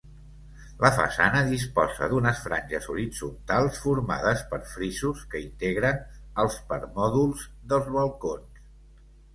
La façana disposa d'unes franges horitzontals formades per frisos que integren els permòdols dels balcons.